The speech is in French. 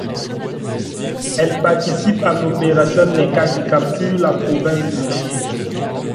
Elle participe à l'opération Nekka qui capture la province de Rehe.